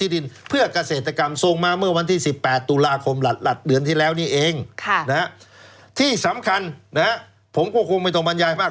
เดือนที่แล้วนี้เองที่สำคัญผมกลัวคงไม่ต้องบรรยายมาก